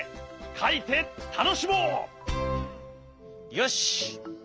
よし。